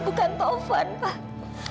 bukan taufan pak